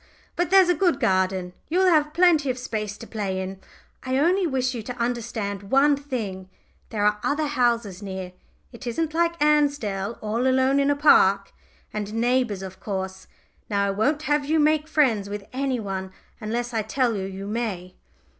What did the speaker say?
But there's a good garden; you will have plenty of space to play in. Only I wish you to understand one thing: there are other houses near it isn't like Ansdell, all alone in a park and neighbours, of course. Now, I won't have you make friends with any one unless I tell you you may.